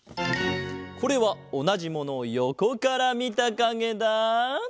これはおなじものをよこからみたかげだ。